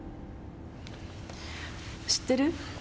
知ってる？